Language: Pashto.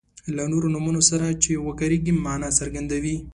له نورو نومونو سره چې وکاریږي معنا څرګندوي.